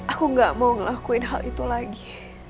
aku gak mau ngelakuin hal itu lagi